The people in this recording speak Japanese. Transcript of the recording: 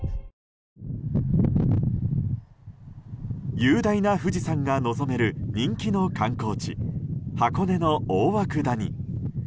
雄大な富士山が望める人気の観光地、箱根の大涌谷。